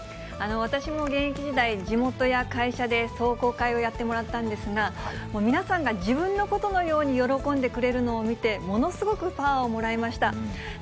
私も現役時代、地元や会社で壮行会をやってもらったんですが、皆さんが自分のことのように喜んでくれるのを見て、ものすごくパワーをもらいました。